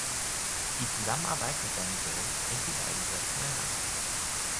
Die Zusammenarbeit mit seinem Sohn bringt die beiden wieder zueinander.